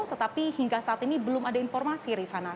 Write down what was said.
tetapi hingga saat ini belum ada informasi rifana